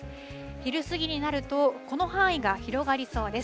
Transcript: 昼過ぎになると、この範囲が広がりそうです。